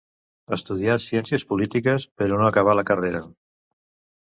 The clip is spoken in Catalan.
Estudià ciències polítiques, però no acabà la carrera.